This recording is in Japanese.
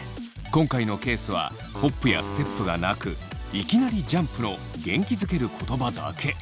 今回のケースはホップやステップがなくいきなりジャンプの元気づける言葉だけ。